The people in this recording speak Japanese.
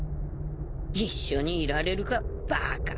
一緒にいられるかバーカ。